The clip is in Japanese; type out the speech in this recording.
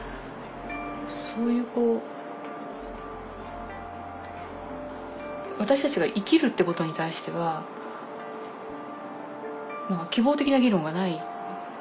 そういうこう私たちが生きるってことに対しては希望的な議論がない。